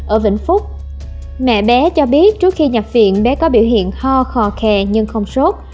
ở vĩnh phúc mẹ bé cho biết trước khi nhập viện bé có biểu hiện ho khò khè nhưng không sốt